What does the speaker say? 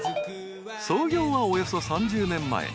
［創業はおよそ３０年前］